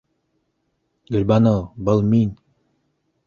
Гөлбаныу, был мин...